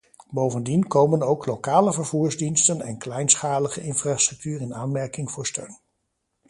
Bovendien komen ook lokale vervoersdiensten en kleinschalige infrastructuur in aanmerking voor steun.